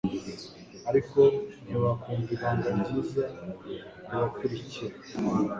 Ariko ntibakumva ibanga ryiza kubakurikira